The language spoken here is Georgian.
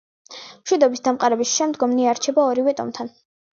მშვიდობის დამყარების შემდგომ ნეა რჩება ორივე ტომთან.